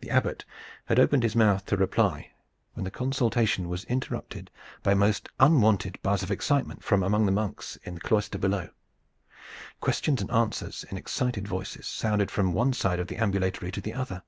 The Abbot had opened his mouth to reply, when the consultation was interrupted by a most unwonted buzz of excitement from among the monks in the cloister below. Questions and answers in excited voices sounded from one side of the ambulatory to the other.